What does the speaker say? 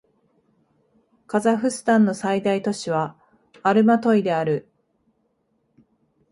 カザフスタンの最大都市はアルマトイである